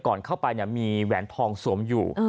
ก่อนเข้าไปมีแหวนทองสวมอยู่